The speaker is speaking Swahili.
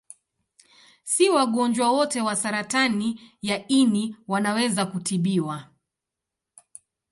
Si wagonjwa wote wa saratani ya ini wanaweza kutibiwa.